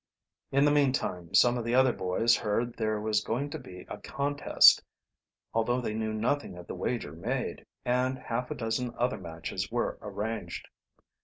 In the meantime some of the other boys heard there was going to be a contest, although they knew nothing of the wager made, and half a dozen other matches were arranged.